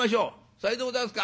「さようでございますか。